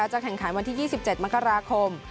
จะแข่งขันวันที่๒๗มกราคม